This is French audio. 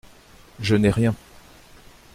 Je n’ai rien.